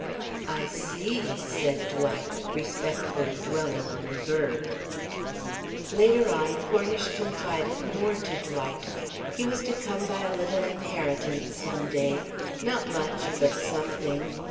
"I see," said Dwight, respectfully dwelling on the verb. Later on Cornish confided more to Dwight: He was to come by a little inheritance some day not much, but something.